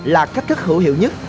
là cách thức hữu hiệu nhất